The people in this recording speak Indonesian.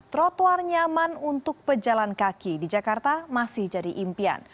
trotoar nyaman untuk pejalan kaki di jakarta masih jadi impian